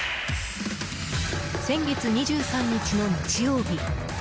先月２３日の日曜日。